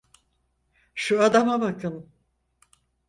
Şu adama bakın.